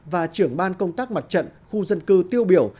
và trưởng ban công tác mặt trận khu dân cư tiêu biểu